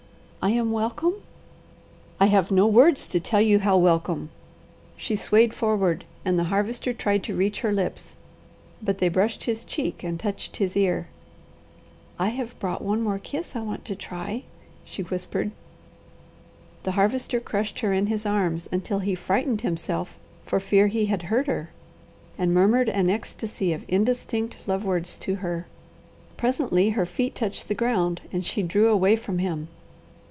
"I am welcome?" "I have no words to tell you how welcome." She swayed forward and the Harvester tried to reach her lips, but they brushed his cheek and touched his ear. "I have brought one more kiss I want to try," she whispered. The Harvester crushed her in his arms until he frightened himself for fear he had hurt her, and murmured an ecstasy of indistinct love words to her. Presently her feet touched the ground and she drew away from him.